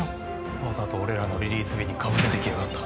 わざと俺らのリリース日にかぶせてきやがった